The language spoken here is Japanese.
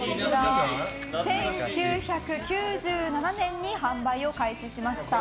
１９９７年に販売を開始しました。